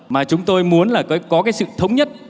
mà chúng tôi muốn là có cái sự thống nhất